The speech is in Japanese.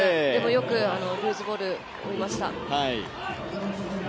よくルーズボール追いました。